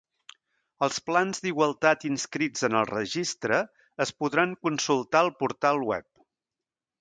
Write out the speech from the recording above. Els plans d'igualtat inscrits en el Registre es podran consultar al portal web.